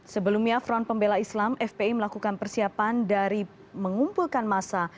sebelumnya front pembela islam fpi melakukan persiapan dari mengumpulkan masa